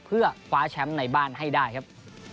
เพื่อคว้าแชมป์ในบ้านให้ได้ครับ